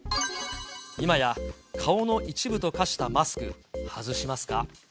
今や顔の一部と化したマスク、外しますか？